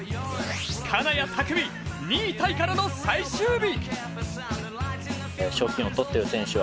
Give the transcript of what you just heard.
金谷拓実、２位タイからの最終日。